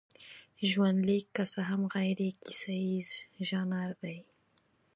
ژوندلیک که څه هم غیرکیسیز ژانر دی.